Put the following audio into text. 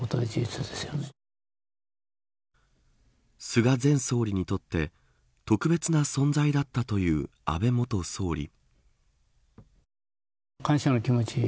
菅前総理にとって特別な存在だったという安倍元総理。